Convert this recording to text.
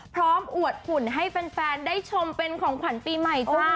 อวดหุ่นให้แฟนได้ชมเป็นของขวัญปีใหม่จ้า